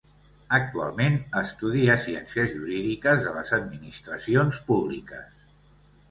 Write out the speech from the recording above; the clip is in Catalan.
Actualment estudia Ciències Jurídiques de les Administracions Públiques.